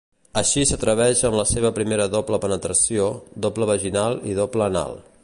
Així s'atreveix amb la seva primera doble penetració, doble vaginal i doble anal.